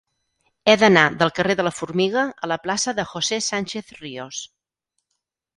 He d'anar del carrer de la Formiga a la plaça de José Sánchez Ríos.